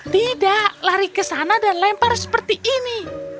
tidak lari ke sana dan lempar seperti ini